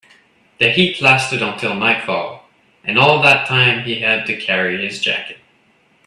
The heat lasted until nightfall, and all that time he had to carry his jacket.